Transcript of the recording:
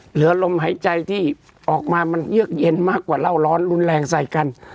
ลมหายใจที่ออกมามันเยือกเย็นมากกว่าเหล้าร้อนรุนแรงใส่กัน